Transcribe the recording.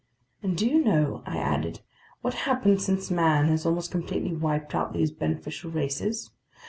"And do you know," I added, "what happened since man has almost completely wiped out these beneficial races?